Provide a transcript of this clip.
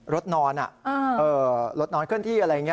รถนอนรถนอนเคลื่อนที่อะไรอย่างนี้